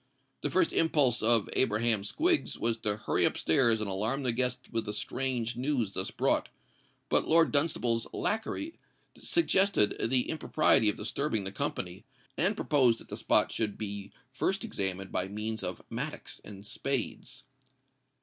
The first impulse of Abraham Squiggs was to hurry up stairs and alarm the guests with the strange news thus brought; but Lord Dunstable's lacquey suggested the impropriety of disturbing the company, and proposed that the spot should be first examined by means of mattocks and spades.